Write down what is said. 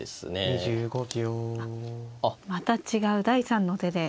あっまた違う第３の手で。